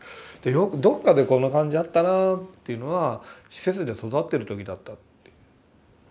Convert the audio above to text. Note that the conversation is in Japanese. よくどっかでこの感じあったなというのは施設で育ってる時だった。